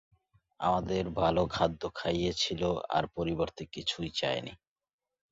আমাদের ভালো খাদ্য খাইয়েছিল আর পরিবর্তে কিছুই চায়নি।